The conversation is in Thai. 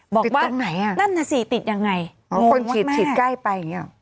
บอกว่าตรงไหนอ่ะนั่นน่ะสิติดยังไงบางคนฉีดฉีดใกล้ไปอย่างเงี้หรอ